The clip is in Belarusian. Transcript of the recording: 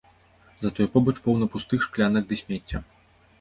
Затое побач поўна пустых шклянак ды смецця.